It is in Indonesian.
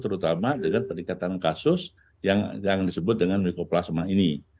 terutama dengan peningkatan kasus yang disebut dengan mikroplasma ini